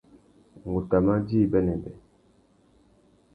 Ngu tà mà djï bênêbê.